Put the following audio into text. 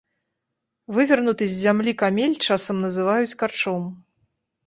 Вывернуты з зямлі камель часам называюць карчом.